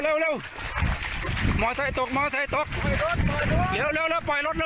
พอลมวกข้างนอกก่อน